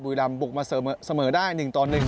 บุรีลำบุกมาเสมอได้๑ต่อ๑